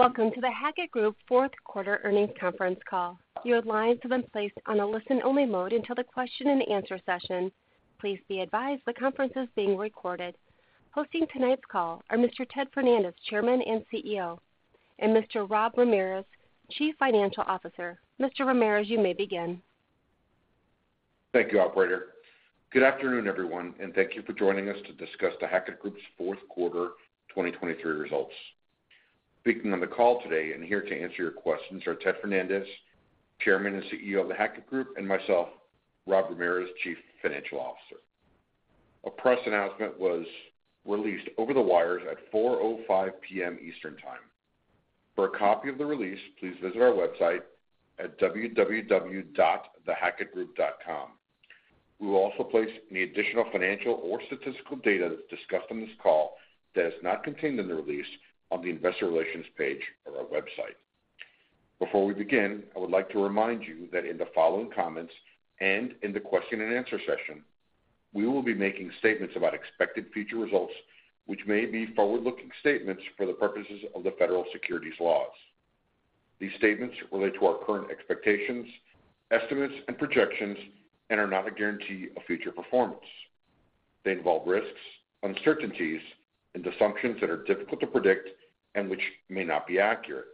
Welcome to The Hackett Group Fourth Quarter Earnings Conference Call. Your lines have been placed on a listen-only mode until the question-and-answer session. Please be advised, the conference is being recorded. Hosting tonight's call are Mr. Ted Fernandez, Chairman and CEO, and Mr. Rob Ramirez, Chief Financial Officer. Mr. Ramirez, you may begin. Thank you, operator. Good afternoon, everyone, and thank you for joining us to discuss The Hackett Group's fourth quarter 2023 results. Speaking on the call today and here to answer your questions are Ted Fernandez, Chairman and CEO of The Hackett Group, and myself, Rob Ramirez, Chief Financial Officer. A press announcement was released over the wires at 4:05 P.M. Eastern Time. For a copy of the release, please visit our website at www.thehackettgroup.com. We will also place any additional financial or statistical data that's discussed on this call that is not contained in the release on the investor relations page of our website. Before we begin, I would like to remind you that in the following comments and in the question-and-answer session, we will be making statements about expected future results, which may be forward-looking statements for the purposes of the federal securities laws. These statements relate to our current expectations, estimates, and projections and are not a guarantee of future performance. They involve risks, uncertainties, and assumptions that are difficult to predict and which may not be accurate.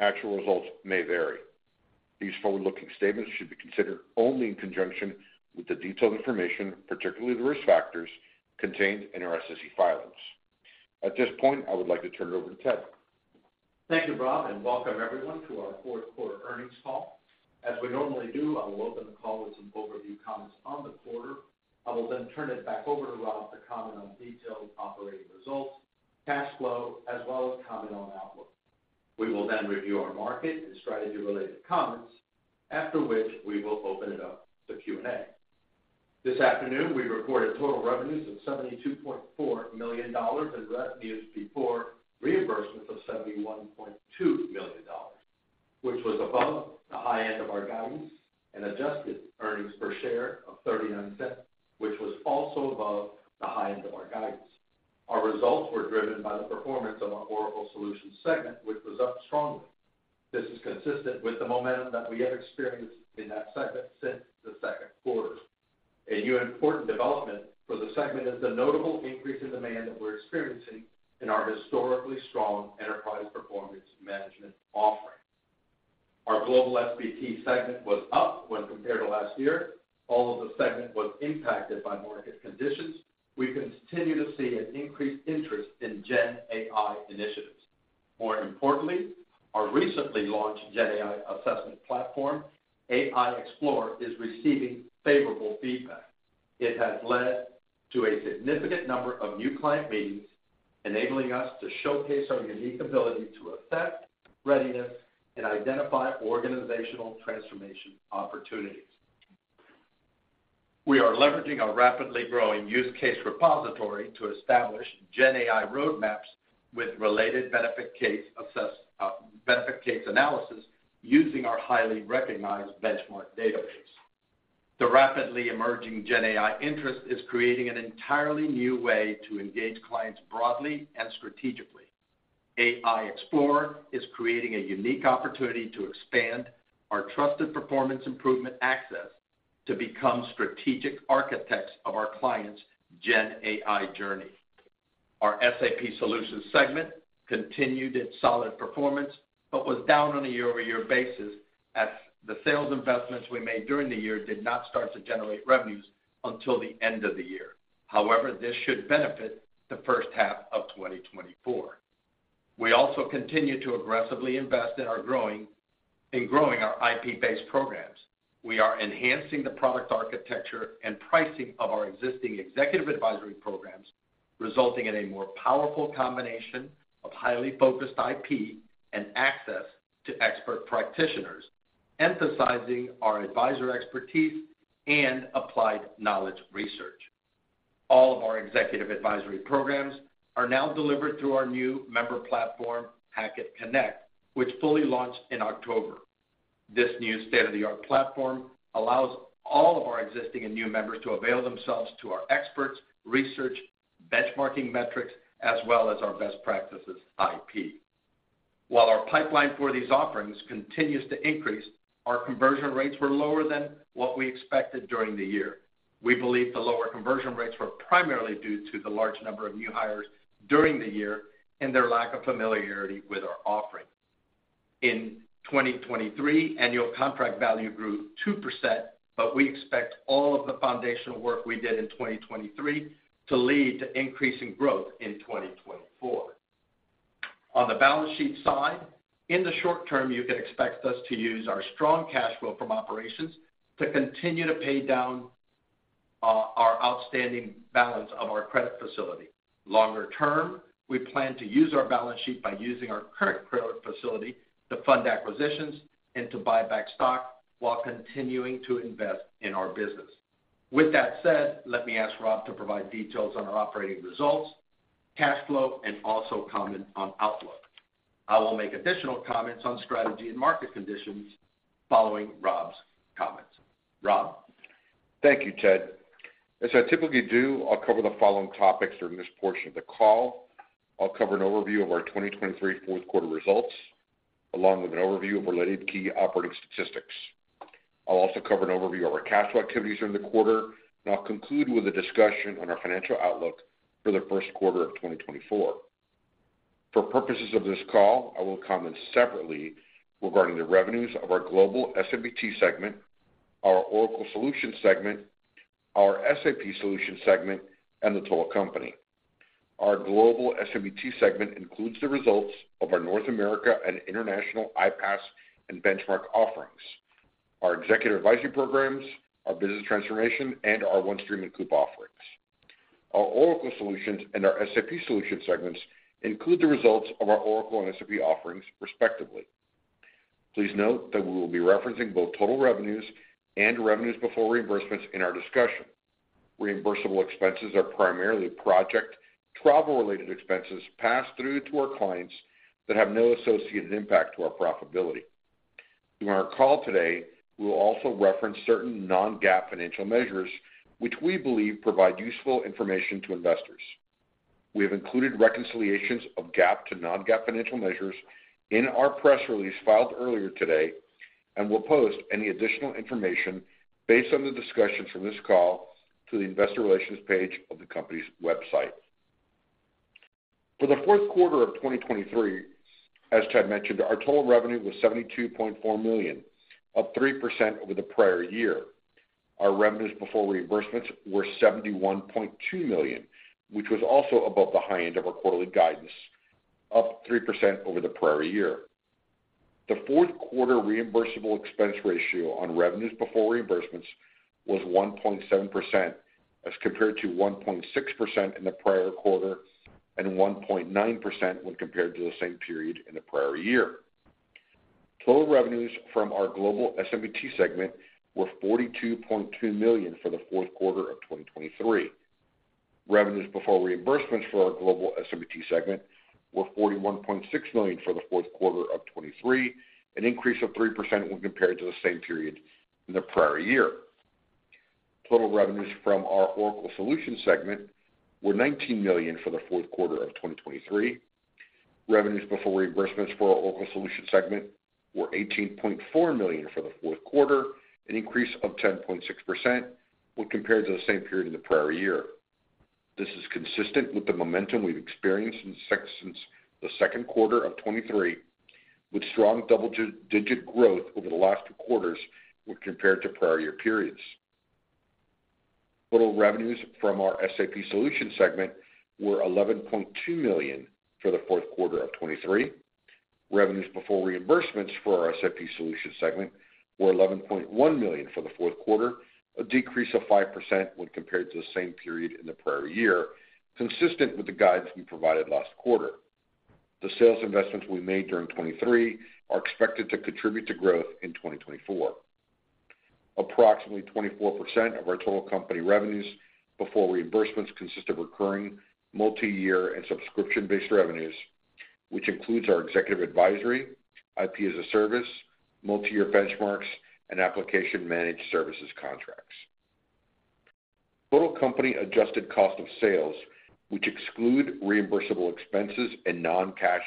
Actual results may vary. These forward-looking statements should be considered only in conjunction with the detailed information, particularly the risk factors, contained in our SEC filings. At this point, I would like to turn it over to Ted. Thank you, Rob, and welcome everyone to our fourth quarter earnings call. As we normally do, I will open the call with some overview comments on the quarter. I will then turn it back over to Rob to comment on detailed operating results, cash flow, as well as comment on outlook. We will then review our market and strategy-related comments, after which we will open it up to Q&A. This afternoon, we reported total revenues of $72.4 million and revenues before reimbursement of $71.2 million, which was above the high end of our guidance and adjusted earnings per share of $0.39, which was also above the high end of our guidance. Our results were driven by the performance of our Oracle Solutions segment, which was up strongly. This is consistent with the momentum that we have experienced in that segment since the second quarter. A new important development for the segment is the notable increase in demand that we're experiencing in our historically strong enterprise performance management offerings. Our Global SBT segment was up when compared to last year. Although the segment was impacted by market conditions, we continue to see an increased interest in GenAI initiatives. More importantly, our recently launched GenAI assessment platform, AI XPLR, is receiving favorable feedback. It has led to a significant number of new client meetings, enabling us to showcase our unique ability to assess readiness and identify organizational transformation opportunities. We are leveraging our rapidly growing use case repository to establish GenAI roadmaps with related benefit case analysis using our highly recognized benchmark database. The rapidly emerging GenAI interest is creating an entirely new way to engage clients broadly and strategically. AI XPLR is creating a unique opportunity to expand our trusted performance improvement access to become strategic architects of our clients' GenAI journey. Our SAP Solutions segment continued its solid performance, but was down on a year-over-year basis as the sales investments we made during the year did not start to generate revenues until the end of the year. However, this should benefit the first half of 2024. We also continue to aggressively invest in growing our IP-based programs. We are enhancing the product architecture and pricing of our existing executive advisory programs, resulting in a more powerful combination of highly focused IP and access to expert practitioners, emphasizing our advisor expertise and applied knowledge research. All of our executive advisory programs are now delivered through our new member platform, Hackett Connect, which fully launched in October. This new state-of-the-art platform allows all of our existing and new members to avail themselves to our experts, research, benchmarking metrics, as well as our best practices IP. While our pipeline for these offerings continues to increase, our conversion rates were lower than what we expected during the year. We believe the lower conversion rates were primarily due to the large number of new hires during the year and their lack of familiarity with our offerings. In 2023, annual contract value grew 2%, but we expect all of the foundational work we did in 2023 to lead to increasing growth in 2024. On the balance sheet side, in the short term, you can expect us to use our strong cash flow from operations to continue to pay down our outstanding balance of our credit facility. Longer term, we plan to use our balance sheet by using our current credit facility to fund acquisitions and to buy back stock while continuing to invest in our business. With that said, let me ask Rob to provide details on our operating results, cash flow, and also comment on outlook. I will make additional comments on strategy and market conditions following Rob's comments. Rob? Thank you, Ted. As I typically do, I'll cover the following topics during this portion of the call. I'll cover an overview of our 2023 fourth quarter results, along with an overview of related key operating statistics. I'll also cover an overview of our cash flow activities during the quarter, and I'll conclude with a discussion on our financial outlook for the first quarter of 2024. For purposes of this call, I will comment separately regarding the revenues of our Global S&BT segment, our Oracle Solutions segment, our SAP Solutions segment, and the total company. Our global S&BT segment includes the results of our North America and international IPaaS and benchmark offerings, our executive advisory programs, our business transformation, and our OneStream offerings. Our Oracle Solutions and our SAP Solutions segments include the results of our Oracle and SAP offerings, respectively. Please note that we will be referencing both total revenues and revenues before reimbursements in our discussion. Reimbursable expenses are primarily project travel-related expenses passed through to our clients that have no associated impact to our profitability. During our call today, we will also reference certain non-GAAP financial measures, which we believe provide useful information to investors. We have included reconciliations of GAAP to non-GAAP financial measures in our press release filed earlier today, and we'll post any additional information based on the discussions from this call to the investor relations page of the company's website. For the fourth quarter of 2023, as Ted mentioned, our total revenue was $72.4 million, up 3% over the prior year. Our revenues before reimbursements were $71.2 million, which was also above the high end of our quarterly guidance, up 3% over the prior year. The fourth quarter reimbursable expense ratio on revenues before reimbursements was 1.7%, as compared to 1.6% in the prior quarter and 1.9% when compared to the same period in the prior year. Total revenues from our Global S&BT segment were $42.2 million for the fourth quarter of 2023. Revenues before reimbursements for our Global S&BT segment were $41.6 million for the fourth quarter of 2023, an increase of 3% when compared to the same period in the prior year. Total revenues from our Oracle Solutions segment were $19 million for the fourth quarter of 2023. Revenues before reimbursements for our Oracle Solutions segment were $18.4 million for the fourth quarter, an increase of 10.6% when compared to the same period in the prior year. This is consistent with the momentum we've experienced since the second quarter of 2023, with strong double-digit growth over the last two quarters when compared to prior year periods. Total revenues from our SAP Solutions segment were $11.2 million for the fourth quarter of 2023. Revenues before reimbursements for our SAP Solutions segment were $11.1 million for the fourth quarter, a decrease of 5% when compared to the same period in the prior year, consistent with the guidance we provided last quarter. The sales investments we made during 2023 are expected to contribute to growth in 2024. Approximately 24% of our total company revenues before reimbursements consist of recurring, multi-year, and subscription-based revenues, which includes our executive advisory, IP as a service, multi-year benchmarks, and application managed services contracts. Total company adjusted cost of sales, which exclude reimbursable expenses and non-cash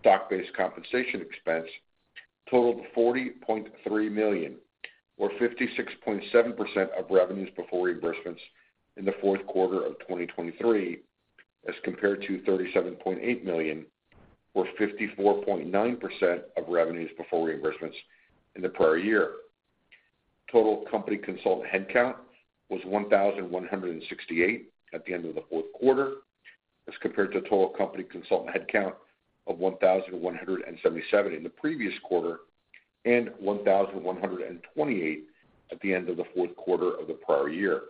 stock-based compensation expense, totaled $40.3 million, or 56.7% of revenues before reimbursements in the fourth quarter of 2023, as compared to $37.8 million, or 54.9% of revenues before reimbursements in the prior year. Total company consultant headcount was 1,168 at the end of the fourth quarter, as compared to total company consultant headcount of 1,177 in the previous quarter and 1,128 at the end of the fourth quarter of the prior year.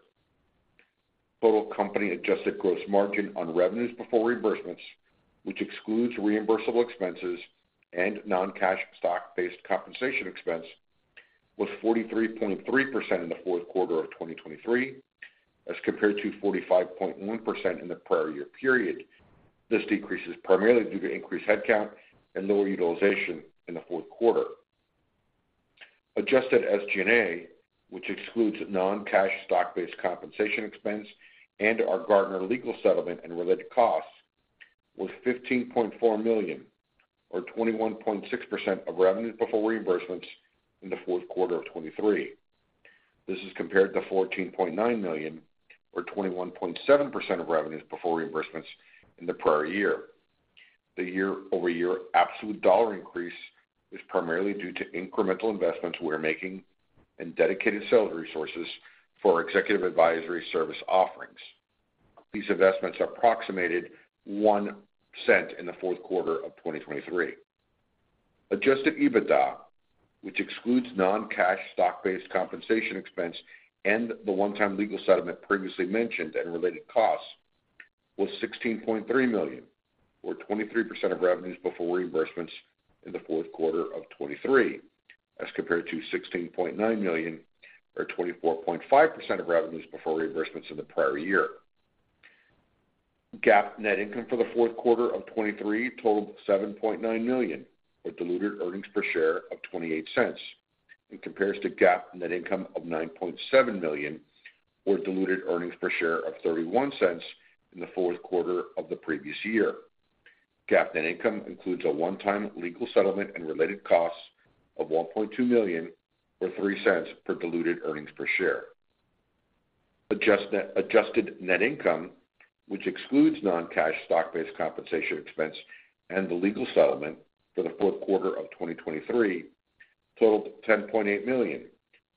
Total company adjusted gross margin on revenues before reimbursements, which excludes reimbursable expenses and non-cash stock-based compensation expense, was 43.3% in the fourth quarter of 2023, as compared to 45.1% in the prior year period. This decrease is primarily due to increased headcount and lower utilization in the fourth quarter. Adjusted SG&A, which excludes non-cash stock-based compensation expense and our Gartner legal settlement and related costs, was $15.4 million, or 21.6% of revenues before reimbursements in the fourth quarter of 2023. This is compared to $14.9 million, or 21.7% of revenues before reimbursements in the prior year. The year-over-year absolute dollar increase is primarily due to incremental investments we are making in dedicated sales resources for our executive advisory service offerings. These investments approximated $0.01 in the fourth quarter of 2023. Adjusted EBITDA, which excludes non-cash stock-based compensation expense and the one-time legal settlement previously mentioned and related costs, was $16.3 million, or 23% of revenues before reimbursements in the fourth quarter of 2023, as compared to $16.9 million or 24.5% of revenues before reimbursements in the prior year. GAAP net income for the fourth quarter of 2023 totaled $7.9 million, with diluted earnings per share of $0.28, and compares to GAAP net income of $9.7 million, or diluted earnings per share of $0.31 in the fourth quarter of the previous year. GAAP net income includes a one-time legal settlement and related costs of $1.2 million, or $0.03 per diluted earnings per share. Adjusted net income, which excludes non-cash stock-based compensation expense and the legal settlement for the fourth quarter of 2023, totaled $10.8 million,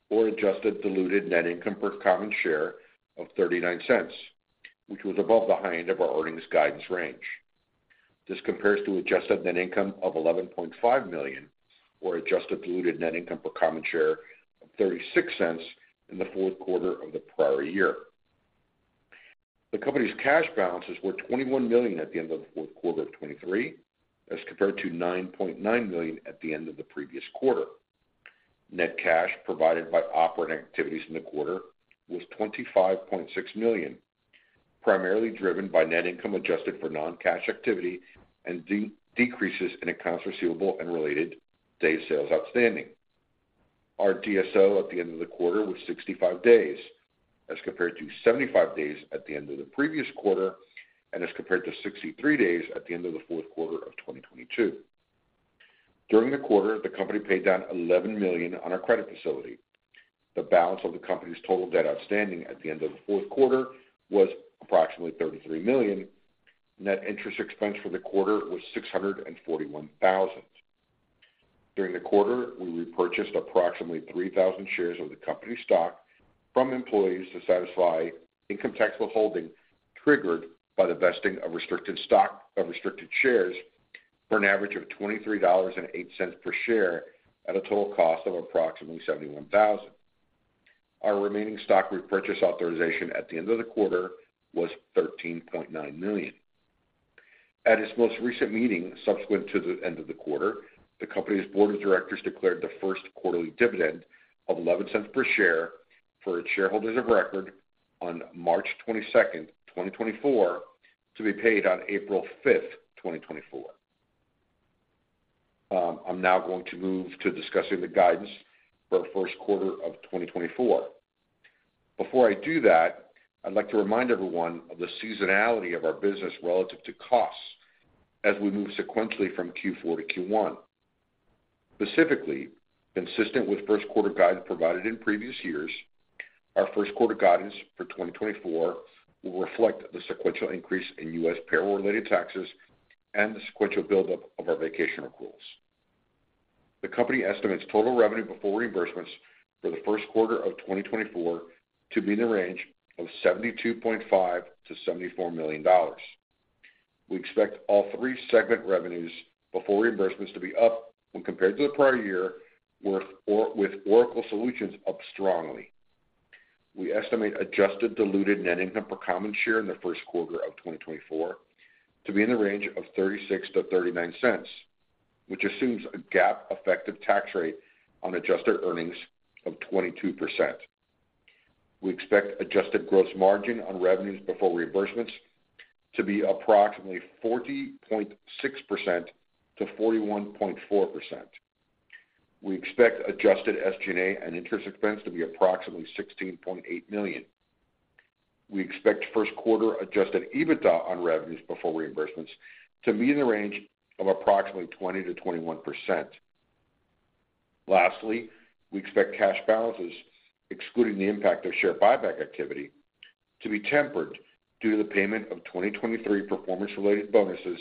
or adjusted diluted net income per common share of $0.39, which was above the high end of our earnings guidance range. This compares to adjusted net income of $11.5 million, or adjusted diluted net income per common share of $0.36 in the fourth quarter of the prior year. The company's cash balances were $21 million at the end of the fourth quarter of 2023, as compared to $9.9 million at the end of the previous quarter. Net cash provided by operating activities in the quarter was $25.6 million, primarily driven by net income adjusted for non-cash activity and decreases in accounts receivable and related days sales outstanding. Our DSO at the end of the quarter was 65 days, as compared to 75 days at the end of the previous quarter, and as compared to 63 days at the end of the fourth quarter of 2022. During the quarter, the company paid down $11 million on our credit facility. The balance of the company's total debt outstanding at the end of the fourth quarter was approximately $33 million. Net interest expense for the quarter was $641,000. During the quarter, we repurchased approximately 3,000 shares of the company's stock from employees to satisfy income tax withholding, triggered by the vesting of restricted stock, of restricted shares for an average of $23.08 per share, at a total cost of approximately $71,000. Our remaining stock repurchase authorization at the end of the quarter was $13.9 million. At its most recent meeting, subsequent to the end of the quarter, the company's board of directors declared the first quarterly dividend of $0.11 per share for its shareholders of record on March 22, 2024, to be paid on April 5, 2024. I'm now going to move to discussing the guidance for our first quarter of 2024. Before I do that, I'd like to remind everyone of the seasonality of our business relative to costs as we move sequentially from Q4 to Q1. Specifically, consistent with first quarter guidance provided in previous years, our first quarter guidance for 2024 will reflect the sequential increase in U.S. payroll-related taxes and the sequential buildup of our vacation accruals. The company estimates total revenue before reimbursements for the first quarter of 2024 to be in the range of $72.5 million-$74 million. We expect all three segment revenues before reimbursements to be up when compared to the prior year, with with Oracle solutions up strongly. We estimate adjusted diluted net income per common share in the first quarter of 2024 to be in the range of $0.36-$0.39, which assumes a GAAP effective tax rate on adjusted earnings of 22%. We expect adjusted gross margin on revenues before reimbursements to be approximately 40.6%-41.4%. We expect adjusted SG&A and interest expense to be approximately $16.8 million. We expect first quarter Adjusted EBITDA on revenues before reimbursements to be in the range of approximately 20%-21%. Lastly, we expect cash balances, excluding the impact of share buyback activity, to be tempered due to the payment of 2023 performance-related bonuses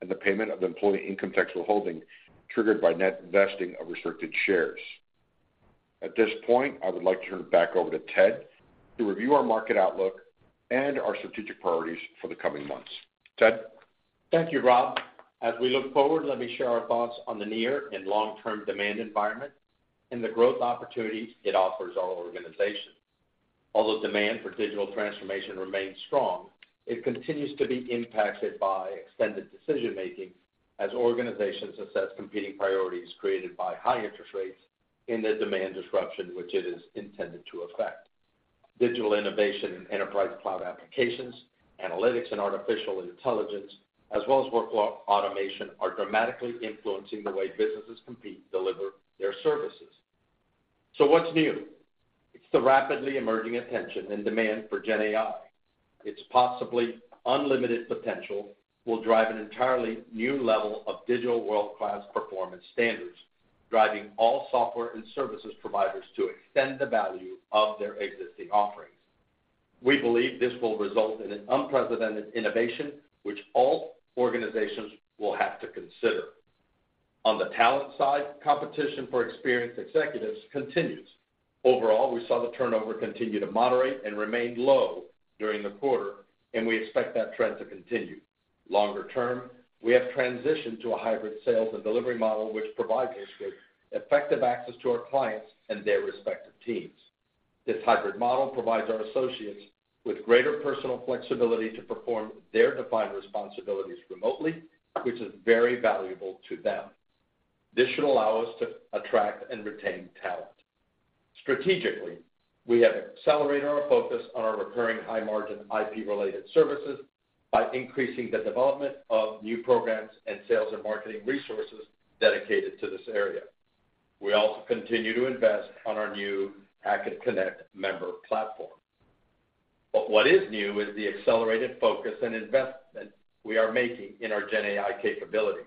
and the payment of employee income tax withholding, triggered by net vesting of restricted shares. At this point, I would like to turn it back over to Ted to review our market outlook and our strategic priorities for the coming months. Ted? Thank you, Rob. As we look forward, let me share our thoughts on the near and long-term demand environment and the growth opportunities it offers all organizations. Although demand for digital transformation remains strong, it continues to be impacted by extended decision-making as organizations assess competing priorities created by high interest rates and the demand disruption, which it is intended to affect. Digital innovation and enterprise cloud applications, analytics and artificial intelligence, as well as workflow automation, are dramatically influencing the way businesses compete, deliver their services. So what's new? It's the rapidly emerging attention and demand for GenAI. Its possibly unlimited potential will drive an entirely new level of digital world-class performance standards, driving all software and services providers to extend the value of their existing offerings. We believe this will result in an unprecedented innovation, which all organizations will have to consider. On the talent side, competition for experienced executives continues. Overall, we saw the turnover continue to moderate and remain low during the quarter, and we expect that trend to continue. Longer term, we have transitioned to a hybrid sales and delivery model, which provides us with effective access to our clients and their respective teams. This hybrid model provides our associates with greater personal flexibility to perform their defined responsibilities remotely, which is very valuable to them. This should allow us to attract and retain talent. Strategically, we have accelerated our focus on our recurring high-margin IP-related services by increasing the development of new programs and sales and marketing resources dedicated to this area. We also continue to invest on our new Hackett Connect member platform. But what is new is the accelerated focus and investment we are making in our GenAI capabilities.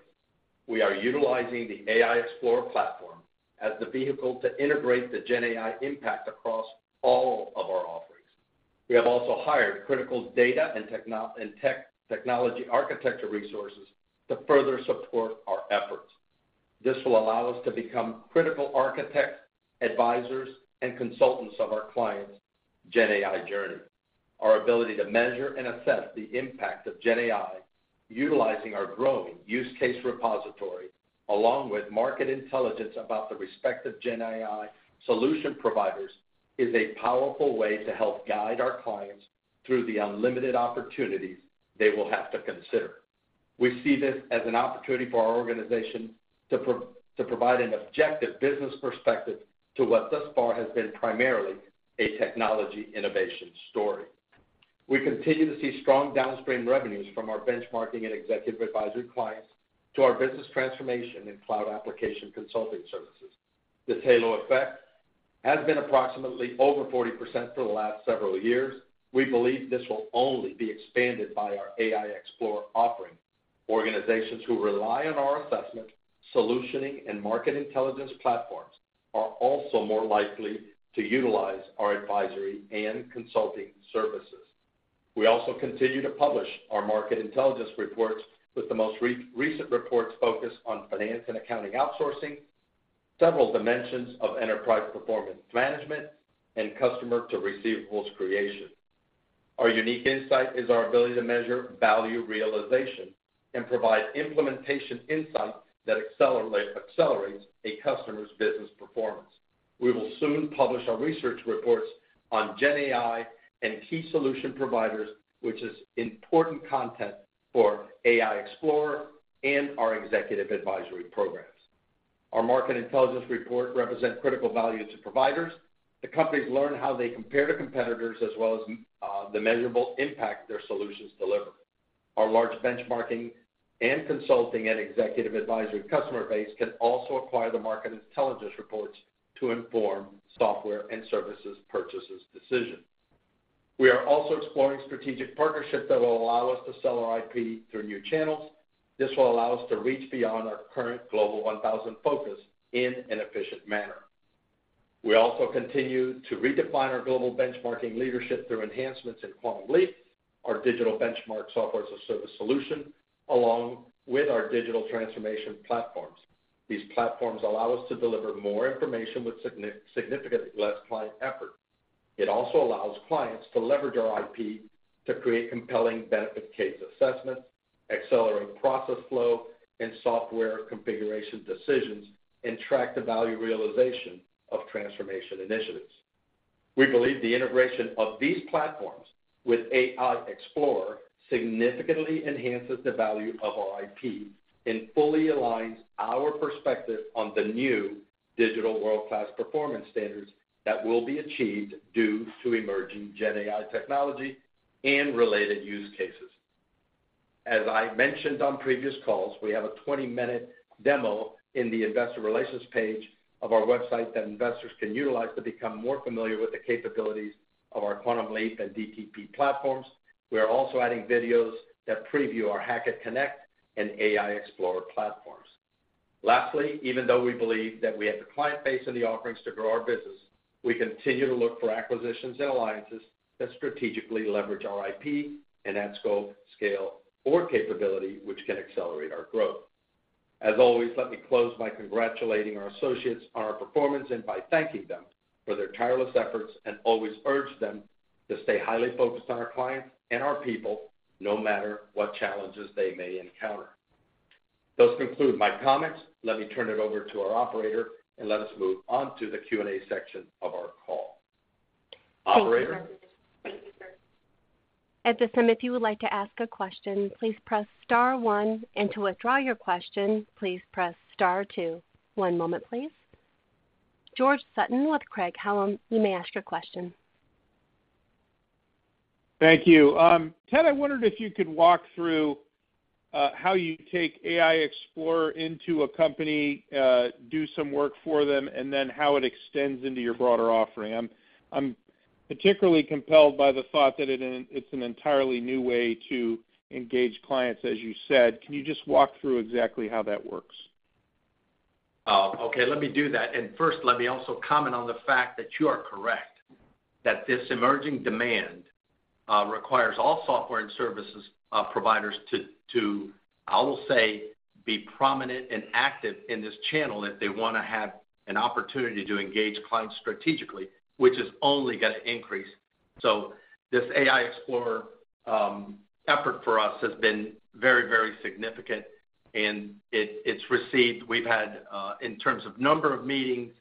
We are utilizing the AI XPLR platform as the vehicle to integrate the GenAI impact across all of our offerings. We have also hired critical data and technology architecture resources to further support our efforts. This will allow us to become critical architects, advisors, and consultants of our clients' GenAI journey. Our ability to measure and assess the impact of GenAI, utilizing our growing use case repository, along with market intelligence about the respective GenAI solution providers, is a powerful way to help guide our clients through the unlimited opportunities they will have to consider. We see this as an opportunity for our organization to provide an objective business perspective to what thus far has been primarily a technology innovation story. We continue to see strong downstream revenues from our benchmarking and executive advisory clients to our business transformation and cloud application consulting services. The halo effect has been approximately over 40% for the last several years. We believe this will only be expanded by our AI Explorer offering. Organizations who rely on our assessment, solutioning, and market intelligence platforms are also more likely to utilize our advisory and consulting services. We also continue to publish our market intelligence reports, with the most recent reports focused on finance and accounting outsourcing, several dimensions of enterprise performance management, and customer-to-receivables creation. Our unique insight is our ability to measure value realization and provide implementation insights that accelerates a customer's business performance. We will soon publish our research reports on GenAI and key solution providers, which is important content for AI XPLR and our executive advisory programs. Our market intelligence report represent critical value to providers. The companies learn how they compare to competitors, as well as the measurable impact their solutions deliver. Our large benchmarking and consulting and executive advisory customer base can also acquire the market intelligence reports to inform software and services purchases decisions. We are also exploring strategic partnerships that will allow us to sell our IP through new channels. This will allow us to reach beyond our current Global 1000 focus in an efficient manner. We also continue to redefine our global benchmarking leadership through enhancements in Quantum Leap, our digital benchmark software as a service solution, along with our digital transformation platforms. These platforms allow us to deliver more information with significantly less client effort. It also allows clients to leverage our IP to create compelling benefit case assessments, accelerate process flow and software configuration decisions, and track the value realization of transformation initiatives. We believe the integration of these platforms with AI XPLR significantly enhances the value of our IP and fully aligns our perspective on the new digital world-class performance standards that will be achieved due to emerging GenAI technology and related use cases. As I mentioned on previous calls, we have a 20-minute demo in the investor relations page of our website that investors can utilize to become more familiar with the capabilities of our Quantum Leap and DTP platforms. We are also adding videos that preview our Hackett Connect and AI XPLR platforms. Lastly, even though we believe that we have the client base and the offerings to grow our business, we continue to look for acquisitions and alliances that strategically leverage our IP and add scope, scale, or capability, which can accelerate our growth. As always, let me close by congratulating our associates on our performance and by thanking them for their tireless efforts, and always urge them to stay highly focused on our clients and our people, no matter what challenges they may encounter. Those conclude my comments. Let me turn it over to our operator and let us move on to the Q&A section of our call. Operator? Thank you, sir. At this time, if you would like to ask a question, please press star one, and to withdraw your question, please press star two. One moment, please. George Sutton with Craig-Hallum, you may ask your question. Thank you. Ted, I wondered if you could walk through how you take AI XPLR into a company, do some work for them, and then how it extends into your broader offering. I'm particularly compelled by the thought that it, it's an entirely new way to engage clients, as you said. Can you just walk through exactly how that works? Okay, let me do that. First, let me also comment on the fact that you are correct, that this emerging demand requires all software and services providers to, I will say, be prominent and active in this channel if they wanna have an opportunity to engage clients strategically, which is only gonna increase. So this AI XPLR effort for us has been very, very significant, and it's received, we've had, in terms of number of meetings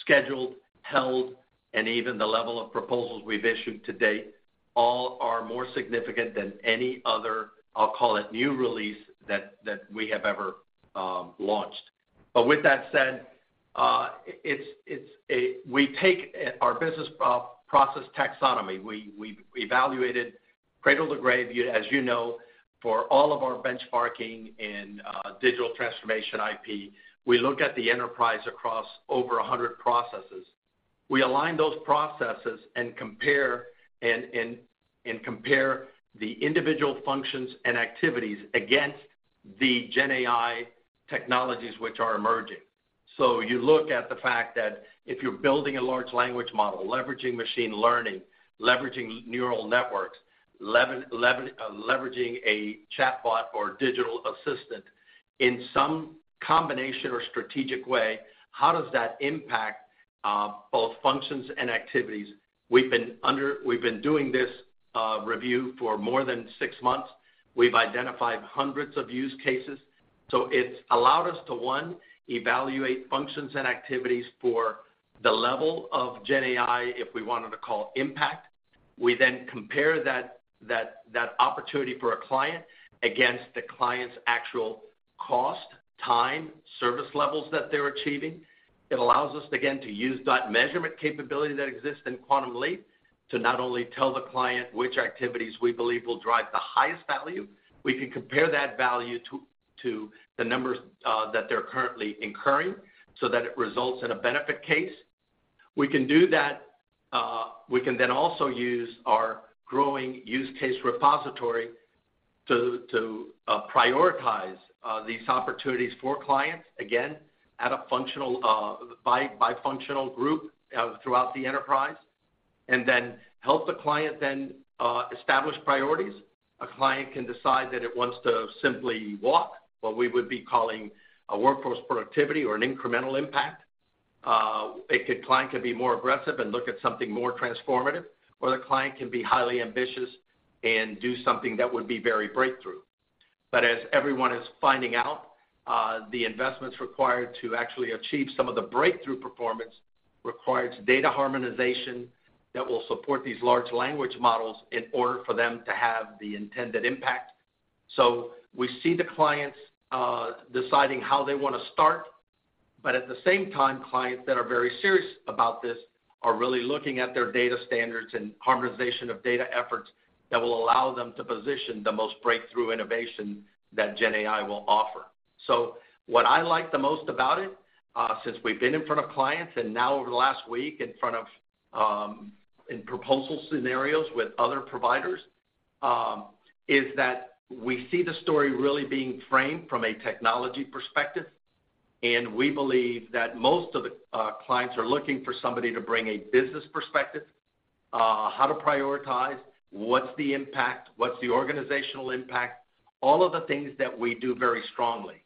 scheduled, held, and even the level of proposals we've issued to date, all are more significant than any other, I'll call it, new release that we have ever launched. But with that said, it's a, we take our business process taxonomy. We evaluated cradle to grave, you as you know, for all of our benchmarking and digital transformation IP. We look at the enterprise across over 100 processes. We align those processes and compare and compare the individual functions and activities against the GenAI technologies which are emerging. So you look at the fact that if you're building a large language model, leveraging machine learning, leveraging neural networks, leveraging a chatbot or digital assistant, in some combination or strategic way, how does that impact both functions and activities? We've been doing this review for more than six months. We've identified hundreds of use cases. So it's allowed us to, one, evaluate functions and activities for the level of GenAI, if we wanted to call it, impact. We then compare that opportunity for a client against the client's actual cost, time, service levels that they're achieving. It allows us, again, to use that measurement capability that exists in Quantum Leap, to not only tell the client which activities we believe will drive the highest value, we can compare that value to, to the numbers, that they're currently incurring so that it results in a benefit case. We can do that, we can then also use our growing use case repository to, to, prioritize, these opportunities for clients, again, at a functional, by bi-functional group, throughout the enterprise, and then help the client then, establish priorities. A client can decide that it wants to simply walk, what we would be calling a workforce productivity or an incremental impact. A client could be more aggressive and look at something more transformative, or the client can be highly ambitious and do something that would be very breakthrough. But as everyone is finding out, the investments required to actually achieve some of the breakthrough performance requires data harmonization that will support these large language models in order for them to have the intended impact. So we see the clients, deciding how they want to start, but at the same time, clients that are very serious about this are really looking at their data standards and harmonization of data efforts that will allow them to position the most breakthrough innovation that GenAI will offer. So what I like the most about it, since we've been in front of clients, and now over the last week in front of, in proposal scenarios with other providers, is that we see the story really being framed from a technology perspective, and we believe that most of the clients are looking for somebody to bring a business perspective, how to prioritize, what's the impact, what's the organizational impact, all of the things that we do very strongly.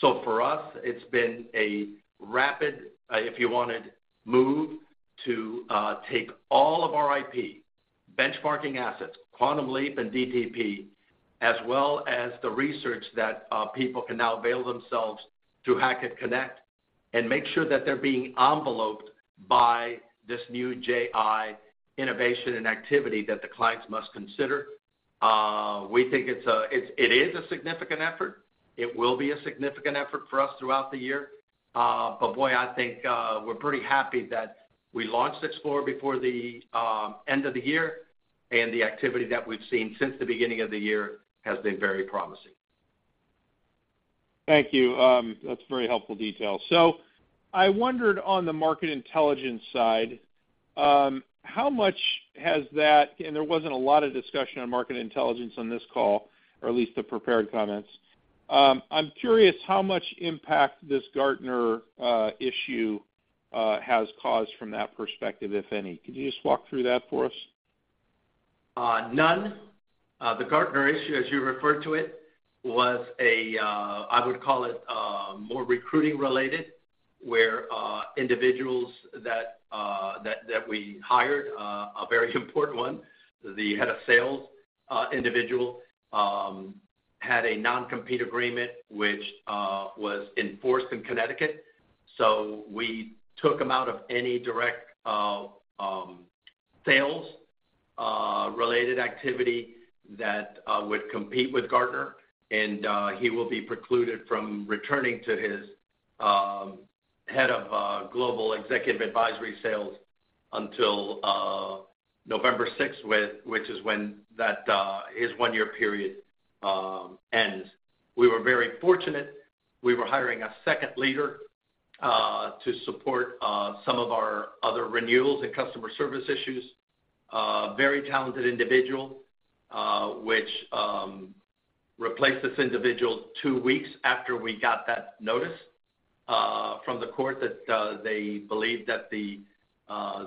So for us, it's been a rapid, if you wanted, move to take all of our IP, benchmarking assets, Quantum Leap and DTP, as well as the research that people can now avail themselves through Hackett Connect, and make sure that they're being enveloped by this new JI innovation and activity that the clients must consider. We think it is a significant effort. It will be a significant effort for us throughout the year. But boy, I think, we're pretty happy that we launched XPLR before the end of the year, and the activity that we've seen since the beginning of the year has been very promising. Thank you. That's very helpful detail. So I wondered on the market intelligence side, how much has that, and there wasn't a lot of discussion on market intelligence on this call, or at least the prepared comments. I'm curious how much impact this Gartner issue has caused from that perspective, if any. Could you just walk through that for us? None. The Gartner issue, as you referred to it, was a, I would call it, more recruiting related, where individuals that we hired, a very important one, the head of sales, individual, had a non-compete agreement, which was enforced in Connecticut. So we took him out of any direct, sales related activity that would compete with Gartner, and he will be precluded from returning to his, Head of Global Executive Advisory Sales until November sixth, which is when that his one-year period ends. We were very fortunate. We were hiring a second leader to support some of our other renewals and customer service issues. Very talented individual which replaced this individual two weeks after we got that notice from the court that they believed that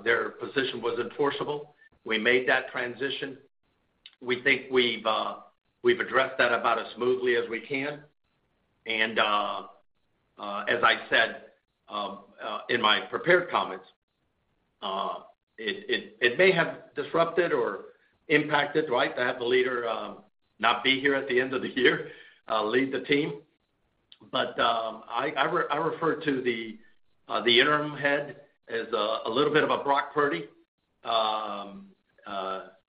their position was enforceable. We made that transition. We think we've addressed that about as smoothly as we can. As I said in my prepared comments, it may have disrupted or impacted, right? To have the leader not be here at the end of the year lead the team. But I refer to the interim head as a little bit of a Brock Purdy.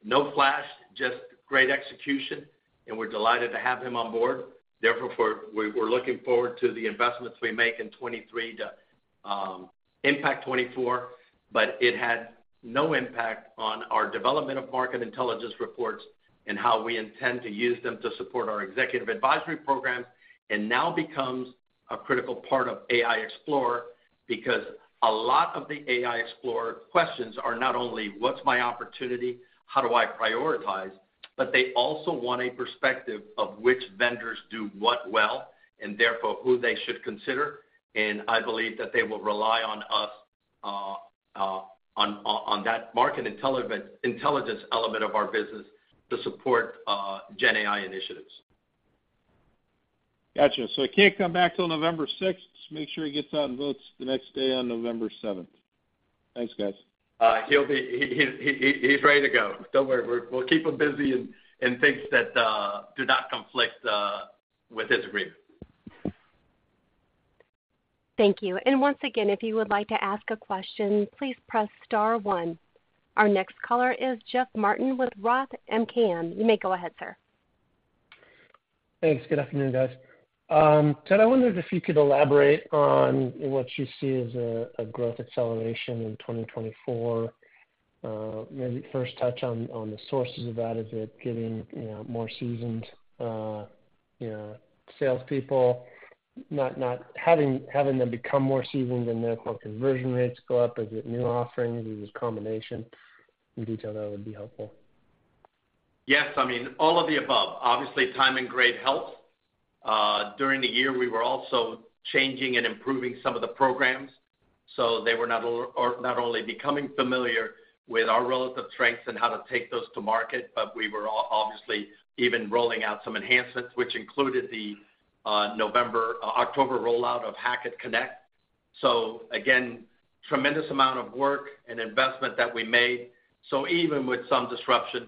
No flash, just great execution, and we're delighted to have him on board. Therefore, we're looking forward to the investments we make in 2023 to impact 2024, but it had no impact on our development of market intelligence reports and how we intend to use them to support our executive advisory program, and now becomes a critical part of AI XPLR. Because a lot of the AI XPLR questions are not only: What's my opportunity? How do I prioritize? But they also want a perspective of which vendors do what well and therefore who they should consider. And I believe that they will rely on us on that market intelligence element of our business to support GenAI initiatives. Gotcha. So he can't come back till November sixth. Make sure he gets out and votes the next day on November seventh. Thanks, guys. He'll be, he's ready to go. Don't worry, we'll keep him busy in things that do not conflict with his agreement. Thank you. Once again, if you would like to ask a question, please press star one. Our next caller is Jeff Martin with Roth MKM. You may go ahead, sir. Thanks. Good afternoon, guys. Ted, I wondered if you could elaborate on what you see as a growth acceleration in 2024. Maybe first touch on the sources of that. Is it getting, you know, more seasoned, you know, salespeople? Not having them become more seasoned and therefore conversion rates go up. Is it new offerings? Is this combination? Any detail that would be helpful. Yes, I mean, all of the above. Obviously, time and grade helped. During the year, we were also changing and improving some of the programs, so they were not only becoming familiar with our relative strengths and how to take those to market, but we were obviously even rolling out some enhancements, which included the October rollout of Hackett Connect. So again, tremendous amount of work and investment that we made. So even with some disruption,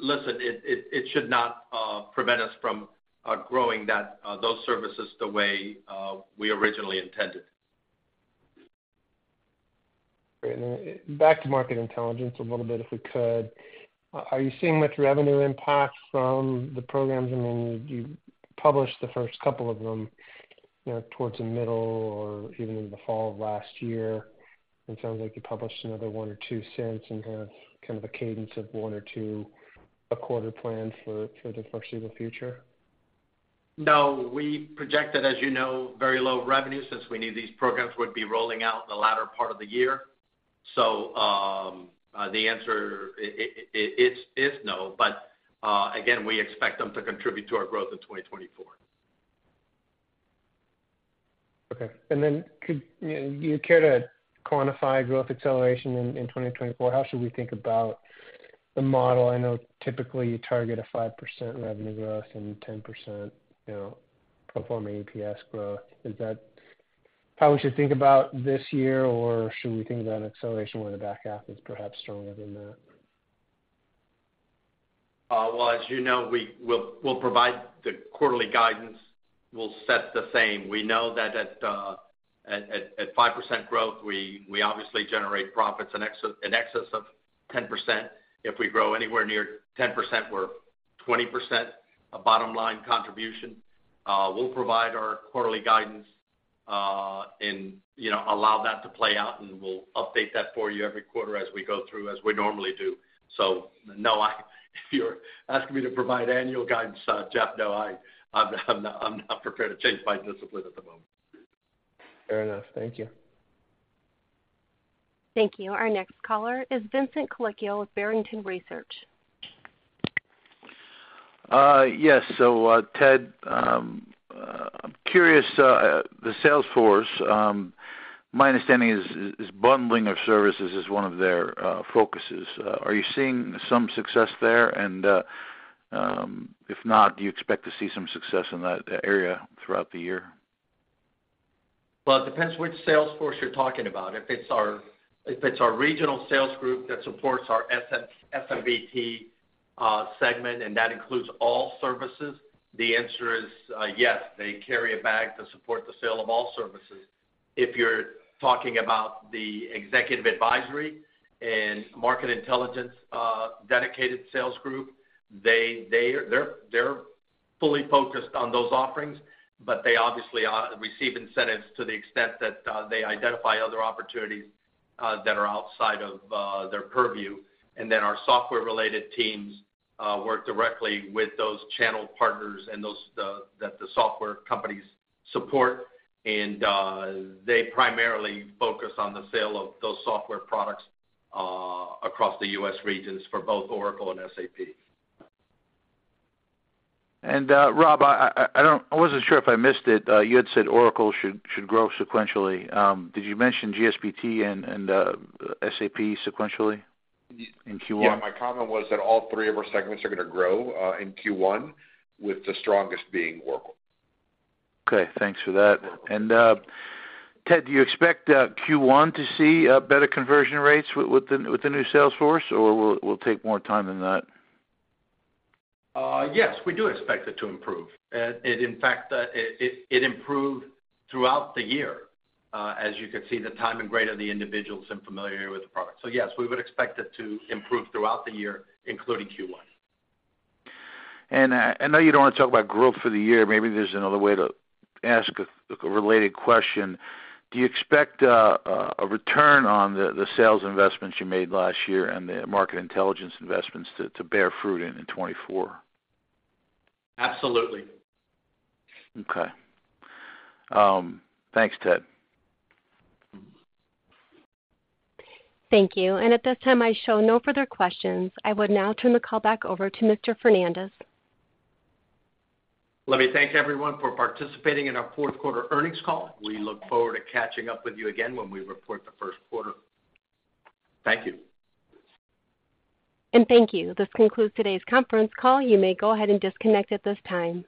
listen, it should not prevent us from growing those services the way we originally intended. Great. And, back to market intelligence a little bit, if we could. Are you seeing much revenue impact from the programs? I mean, you published the first couple of them, you know, towards the middle or even in the fall of last year. It sounds like you published another one or two since, and have kind of a cadence of one or two a quarter plan for the foreseeable future. No, we projected, as you know, very low revenue since we knew these programs would be rolling out in the latter part of the year. So, the answer is no, but, again, we expect them to contribute to our growth in 2024. Okay. And then could, you know, do you care to quantify growth acceleration in 2024? How should we think about the model? I know typically you target a 5% revenue growth and 10%, you know, performing EPS growth. Is that how we should think about this year, or should we think about an acceleration where the back half is perhaps stronger than that? Well, as you know, we'll provide the quarterly guidance. We'll set the same. We know that at 5% growth, we obviously generate profits in excess of 10%. If we grow anywhere near 10%, we're 20%, a bottom line contribution. We'll provide our quarterly guidance, and, you know, allow that to play out, and we'll update that for you every quarter as we go through, as we normally do. So, no, if you're asking me to provide annual guidance, Jeff, no, I'm not prepared to change my discipline at the moment. Fair enough. Thank you. Thank you. Our next caller is Vincent Colicchio with Barrington Research. Yes. So, Ted, I'm curious, the sales force, my understanding is bundling of services is one of their focuses. Are you seeing some success there? And, if not, do you expect to see some success in that area throughout the year? Well, it depends which sales force you're talking about. If it's our regional sales group that supports our S&BT segment, and that includes all services, the answer is yes, they carry a bag to support the sale of all services. If you're talking about the executive advisory and market intelligence dedicated sales group, they're fully focused on those offerings, but they obviously receive incentives to the extent that they identify other opportunities that are outside of their purview. And then our software-related teams work directly with those channel partners and those that the software companies support. They primarily focus on the sale of those software products across the U.S. regions for both Oracle and SAP. Rob, I don't, I wasn't sure if I missed it. You had said Oracle should grow sequentially. Did you mention GSBT and SAP sequentially in Q1? Yeah, my comment was that all three of our segments are gonna grow in Q1, with the strongest being Oracle. Okay, thanks for that. Ted, do you expect Q1 to see better conversion rates with the new sales force, or will take more time than that? Yes, we do expect it to improve. It in fact improved throughout the year, as you could see, the time and grade of the individuals and familiarity with the product. So yes, we would expect it to improve throughout the year, including Q1. I know you don't want to talk about growth for the year. Maybe there's another way to ask a related question: Do you expect a return on the sales investments you made last year and the market intelligence investments to bear fruit in 2024? Absolutely. Okay. Thanks, Ted. Thank you. At this time, I show no further questions. I would now turn the call back over to Mr. Fernandez. Let me thank everyone for participating in our fourth quarter earnings call. We look forward to catching up with you again when we report the first quarter. Thank you. And thank you. This concludes today's conference call. You may go ahead and disconnect at this time.